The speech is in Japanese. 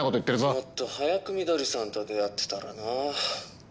もっと早く翠さんと出会ってたらな。